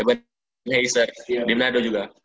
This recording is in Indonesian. eben hazer di manado juga